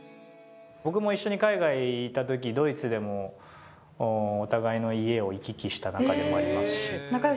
僕も一緒に海外行った時ドイツでもお互いの家を行き来した仲でもありますし。